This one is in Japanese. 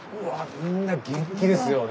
みんな元気ですよね。